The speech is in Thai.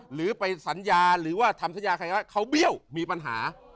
หรือไปสัญญาหรือว่าทำสัญญาใครว่าเขาเบี้ยวมีปัญหา